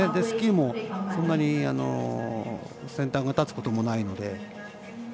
スキーも、そんなに先端が立つこともないので。